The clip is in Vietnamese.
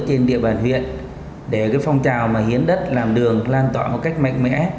trên địa bàn huyện để phong trào mà hiến đất làm đường lan tỏa một cách mạnh mẽ